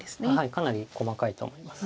かなり細かいと思います。